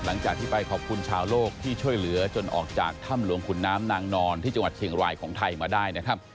หลังจากที่ไปขอบคุณชาวโลกที่ช่วยเหลือจนออกจากถ้ำหลวงขุนน้ำนางนอนที่จังหวัดเชียงรายของไทยมาได้นะครับ